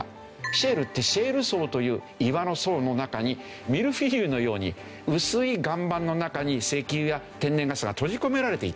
シェールってシェール層という岩の層の中にミルフィーユのように薄い岩盤の中に石油や天然ガスが閉じ込められていた。